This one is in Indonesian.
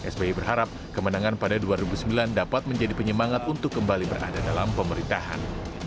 sbi berharap kemenangan pada dua ribu sembilan dapat menjadi penyemangat untuk kembali berada dalam pemerintahan